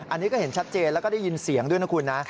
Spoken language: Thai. อันนี้ก็เห็นชัดเจนแล้วก็ได้ยินเสียงด้วยนะคุณนะ